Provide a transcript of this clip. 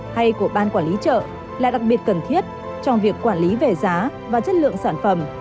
hay của ban quản lý chợ là đặc biệt cần thiết trong việc quản lý về giá và chất lượng sản phẩm